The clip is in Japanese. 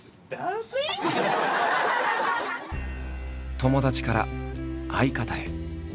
友達から相方へ。